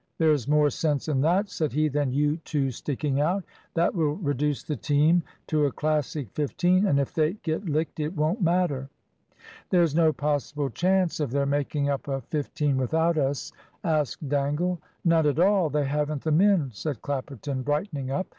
"There's more sense in that," said he, "than you two sticking out. That will reduce the team to a Classic fifteen, and if they get licked it won't matter." "There's no possible chance of their making up a fifteen without us?" asked Dangle. "None at all. They haven't the men," said Clapperton, brightening up.